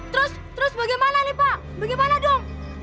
terus terus bagaimana nih pak bagaimana dong